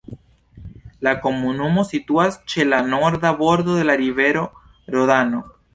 La komunumo situas ĉe la norda bordo de la rivero Rodano.